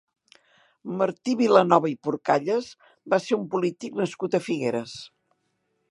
Martí Vilanova i Purcallas va ser un polític nascut a Figueres.